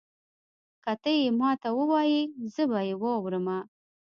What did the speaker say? که تۀ یې ماته ووایي زه به یې واورمه.